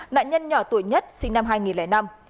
nạn nhân nhỏ tuổi nhất sinh năm hai nghìn